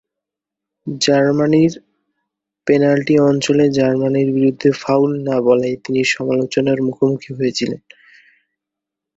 জার্মানির পেনাল্টি অঞ্চলে জার্মানির বিরুদ্ধে ফাউল না বলায় তিনি সমালোচনার মুখোমুখি হয়েছিলেন।